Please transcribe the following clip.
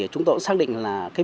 chúng tôi cũng xác định là